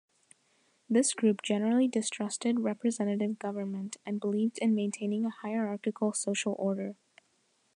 This group generally distrusted representative government, and believed in maintaining a hierarchical social order.